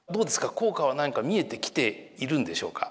効果は何か見えてきているんでしょうか？